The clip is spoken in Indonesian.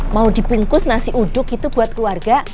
mau dipungkus nasi uduk gitu buat keluarga